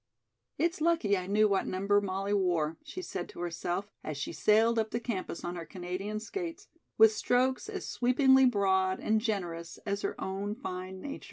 "It's lucky I knew what number Molly wore," she said to herself, as she sailed up the campus on her Canadian skates, with strokes as sweepingly broad and generous as her own fine nature.